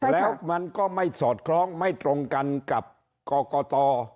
แล้วมันก็ไม่สอดคล้องไม่ตรงกันกับกรกต